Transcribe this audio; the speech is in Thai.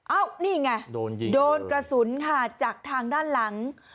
เอ้านี่ไงโดนกระสุนค่ะจากทางด้านหลัง